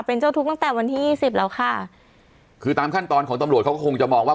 เป็นเจ้าทุกข์ตั้งแต่วันที่ยี่สิบแล้วค่ะคือตามขั้นตอนของตำรวจเขาก็คงจะมองว่า